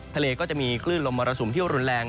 ทะเลก็จะมีคลื่นลมมรสุมที่รุนแรง